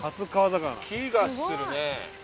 気がするね。